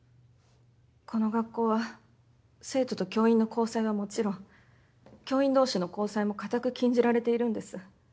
この学校は生徒と教員の交際はもちろん教員同士の交際も固く禁じられているんです。